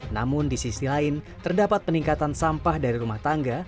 namun di sisi lain terdapat peningkatan sampah dari rumah tangga